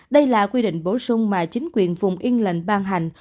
đây là quy định bổ sung mà chính quyền vùng yên lệnh ban hành